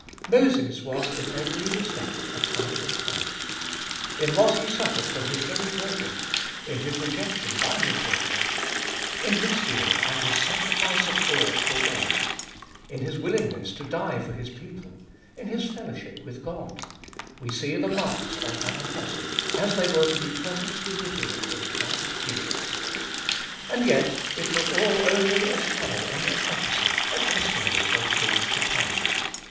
Moses was in every respect a type of Christ. In what he suffered from his very brethren ; in his rejection by his brethren ; in his zeal and his sacrifice of all for God ; in his willingness to die for his people; in his fellowship with God; we see the marks Doliest ot BU 109 of an apostle, as they were to be perfectly revealed in Christ Jesus. And yet it was all only a shadow and a prophecy, a testimony of things to come.